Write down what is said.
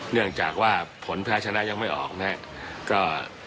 เนื่องจากว่าผลแพ้ชนะยังไม่ออกนะครับ